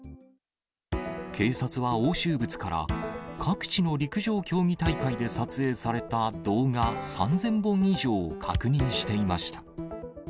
警察は押収物から、各地の陸上競技大会で撮影された動画３０００本以上を確認していました。